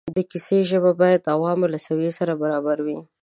د کیسې ژبه باید د عوامو له سویې سره برابره وي.